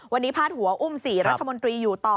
วันนี้พาดหัวอุ้ม๔รัฐมนตรีอยู่ต่อ